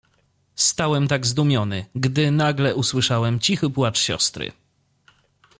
"Stałem tak zdumiony, gdy nagle usłyszałem cichy płacz siostry."